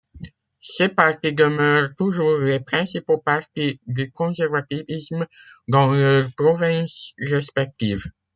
Ces partis demeurent toujours les principaux partis du conservatisme dans leurs provinces respectives.